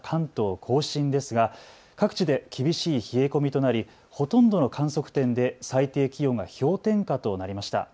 甲信ですが各地で厳しい冷え込みとなりほとんどの観測点で最低気温が氷点下となりました。